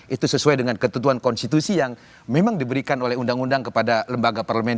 itu sesuai dengan ketentuan konstitusi yang memang diberikan oleh undang undang kepada lembaga parlemen